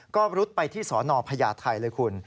ก็รุดไปที่สนพญาไทยเลยคุณ